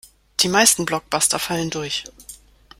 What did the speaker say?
Die meisten Blockbuster fallen durch.